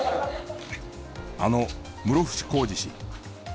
あの室伏広治氏。